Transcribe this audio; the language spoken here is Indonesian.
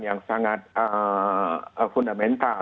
yang sangat fundamental